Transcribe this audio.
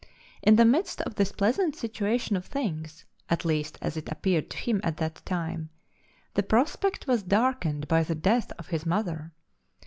In the midst of this pleasant situation of things (at least as it appeared to him at that time) the prospect was darkened by the death of his mother.